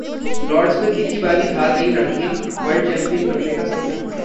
Lord's में जीती बाजी हार गईं लड़कियां, वर्ल्ड चैंपियन बनने का सपना टूटा